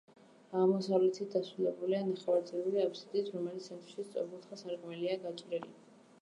აღმოსავლეთით დასრულებულია ნახევარწრიული აბსიდით, რომლის ცენტრში სწორკუთხა სარკმელია გაჭრილი.